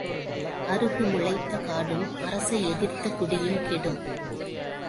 அறுகு முளைத்த காடும் அரசை எதிர்த்த குடியும் கெடும்.